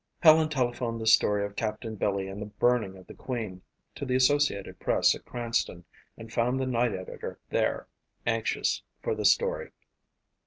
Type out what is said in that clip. Helen telephoned the story of Captain Billy and the burning of the Queen to the Associated Press at Cranston and found the night editor there anxious for the story.